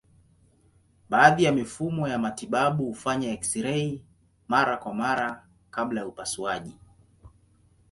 Baadhi ya mifumo ya matibabu hufanya eksirei mara kwa mara kabla ya upasuaji.